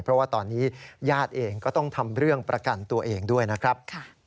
เพราะว่าตอนนี้ญาติเองก็ต้องทำเรื่องประกันตัวเองด้วยนะครับ